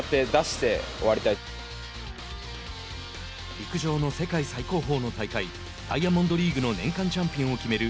陸上の世界最高峰の大会ダイヤモンドリーグの年間チャンピオンを決める